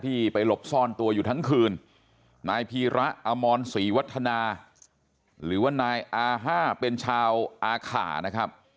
ไปหลบซ่อนตัวอยู่ทั้งคืนนายพีระอมรศรีวัฒนาหรือว่านายอาห้าเป็นชาวอาข่านะครับ